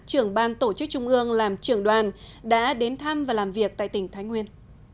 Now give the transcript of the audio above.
trưởng ban tổ chức trung ương làm trưởng đoàn đã đến thăm và làm việc tại tỉnh thái nguyên